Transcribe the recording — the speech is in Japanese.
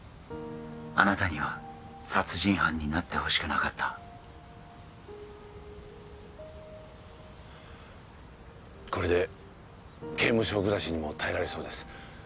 あなたには殺人犯になってほしくなかったこれで刑務所暮らしにも耐えられそうです